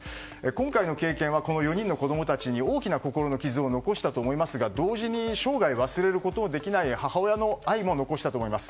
今回の経験は４人の子供たちに大きな心の傷を残したと思いますが同時に生涯忘れることのできない母親の愛も残したと思います。